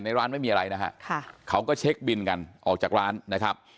ร้านไม่มีอะไรนะฮะเขาก็เช็คบินกันออกจากร้านนะครับ